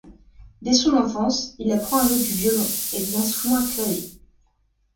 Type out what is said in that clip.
Dès son enfance, il apprend à jouer du violon et des instruments à clavier.